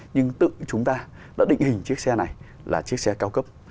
nhưng tự chúng ta đã định hình chiếc xe này là chiếc xe cao cấp